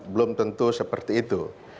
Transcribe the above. belum tentu seperti itu